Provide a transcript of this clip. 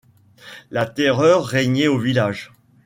La terreur régnait au village.